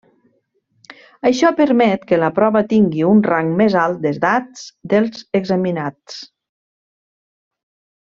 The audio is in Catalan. Això permet que la prova tingui un rang més alt d'edats dels examinats.